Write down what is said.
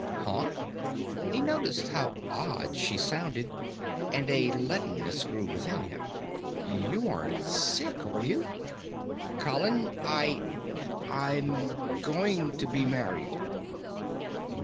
"Huh?" He noticed how odd she sounded, and a leadenness grew within him. "You aren't sick, are you?" "Colin, I I'm going to be married."